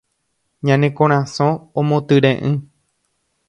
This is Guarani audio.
Ñane korasõ omotyre'ỹ